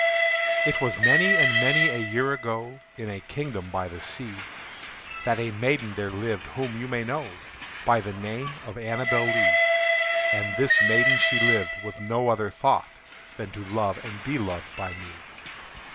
It was many and many a year ago, In a kingdom by the sea, That a maiden there lived whom you may know By the name of ANNABEL LEE; And this maiden she lived with no other thought Than to love and be loved by me.